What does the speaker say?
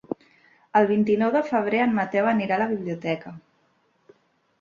El vint-i-nou de febrer en Mateu anirà a la biblioteca.